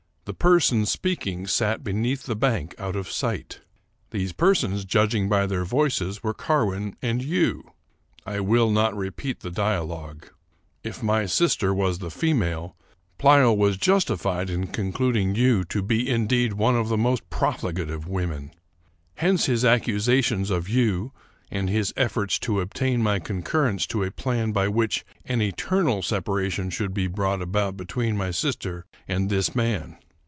The persons speaking sat beneath the bank, out of sight. These persons, judging by their voices, were Carwin and you. I will not repeat the dialogue. If my sister was the female, Pleyel was justified in concluding you to be indeed one of the most profligate of women. Hence his accusations of you, and his efforts to obtain my concurrence to a plan by which an eternal separation should be brought about be tween my sister and this man."